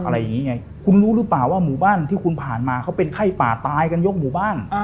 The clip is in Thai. อะไรอย่างนี้ไงคุณรู้หรือเปล่าว่าหมู่บ้านที่คุณผ่านมาเขาเป็นไข้ป่าตายกันยกหมู่บ้าน